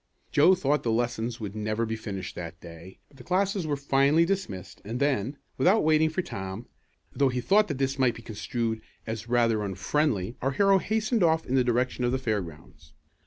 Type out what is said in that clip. Joe thought lessons would never be finished that day, but the classes were finally dismissed and then, without waiting for Tom, though he thought this might be construed as rather unfriendly, our hero hastened off in the direction of the fairgrounds.